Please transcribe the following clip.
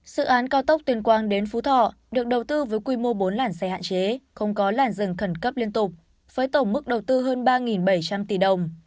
dự án cao tốc tuyên quang đến phú thọ được đầu tư với quy mô bốn làn xe hạn chế không có làn rừng khẩn cấp liên tục với tổng mức đầu tư hơn ba bảy trăm linh tỷ đồng